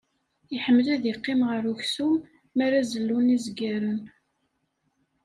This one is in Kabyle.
Iḥemmel ad yeqqim ɣer uksum m'ara zellun izgaren.